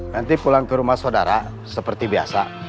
nanti pulang ke rumah saudara seperti biasa